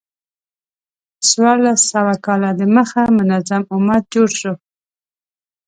څوارلس سوه کاله د مخه منظم امت جوړ شو.